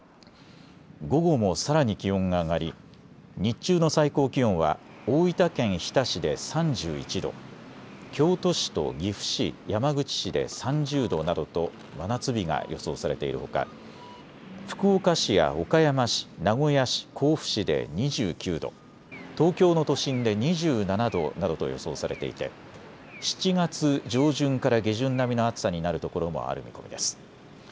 午後もさらに気温が上がり日中の最高気温は大分県日田市で３１度、京都市と岐阜市、山口市で３０度などと真夏日が予想されているほか福岡市や岡山市、名古屋市、甲府市で２９度、東京の都心で２７度などと予想されていて７月上旬から下旬並みの暑さになるところもある見込みです。